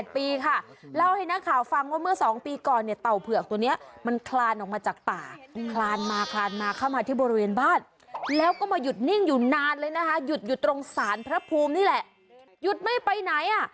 เล่าให้นักข่าวฟังว่าเมื่อ๒ปีก่อนเนี่ยเต่าเผือกตัวนี้มันคลานออกมาจากป่าคลานมาคลานมาเข้ามาที่บริเวณบ้านแล้วก็มาหยุดนิ่งอยู่นานเลยนะคะหยุดอยู่ตรงสารพระภูมินี่แหละหยุดไม่ไปไหนอ่ะ